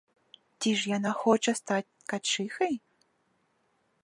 Ці ж яна хоча стаць ткачыхай?